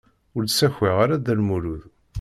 Ur d-ssakay ara Dda Lmulud.